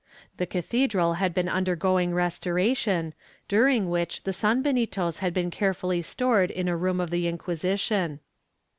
The cathedral had been undergoing restoration, during which the sanbenitos had been carefully stored in a room of the Inquisition.